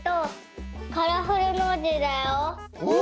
お！